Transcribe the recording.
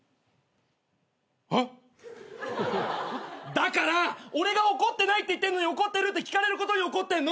だから俺が怒ってないって言ってんのに「怒ってる？」って聞かれることに怒ってんの！